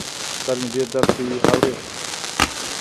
سر مي ډېر درد کوي ، اورې ؟